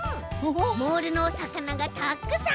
モールのおさかながたくさん！